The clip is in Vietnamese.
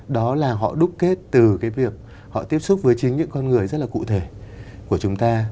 đó là họ đúc kết từ cái việc họ tiếp xúc với chính những con người rất là cụ thể của chúng ta